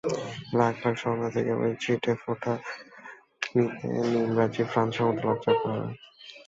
লাখ লাখ শরণার্থীর কেবল ছিটেফোঁটা নিতে নিমরাজি ফ্রান্স সম্ভবত লজ্জায় পড়ে।